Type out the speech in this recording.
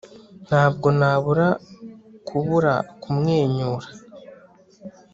ntabwo nabura kubura kumwenyura